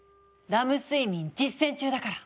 「ラム睡眠」実践中だから！